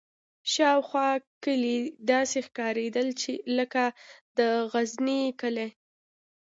شاوخوا کلي داسې ښکارېدل لکه د غزني کلي.